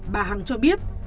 bà hằng cho biết